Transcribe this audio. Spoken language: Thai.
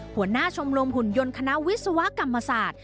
หัวหน้าชมรมหุ่นยนต์คณะวิศวกรรมศาสตร์